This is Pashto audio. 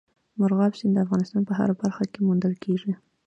مورغاب سیند د افغانستان په هره برخه کې موندل کېږي.